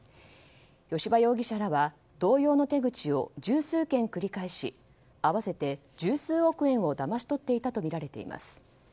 吉羽容疑者らは同様の手口を十数件繰り返し合わせて十数億円をだまし取っていたとみられています。